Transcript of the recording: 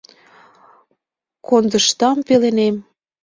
Кондыштам пеленем.